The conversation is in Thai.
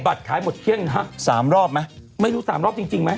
บัตรขายหมดเครื่องกี่นะสามรอบมั้ยไม่รู้สามรอบจริงจริงมั้ย